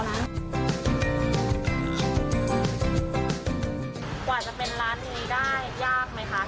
กว่าจะเป็นร้านนี้ได้ยากไหมคะ